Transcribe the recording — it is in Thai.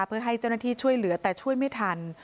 เพื่อให้เจ้าหน้าที่ช่วยเหลือแต่ช่วยไม่ทัน